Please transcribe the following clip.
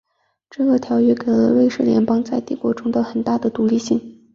这个条约给了瑞士邦联在帝国中的很大的独立性。